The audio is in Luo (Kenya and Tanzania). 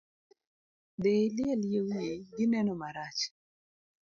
Dhii iliel yie wiyi , gi neno marach.